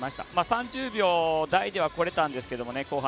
３０秒台ではこれたんですけど後半。